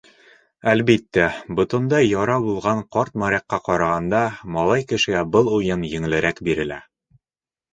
Әлбиттә, ботонда яра булған ҡарт морякка ҡарағанда малай кешегә был уйын еңелерәк бирелә.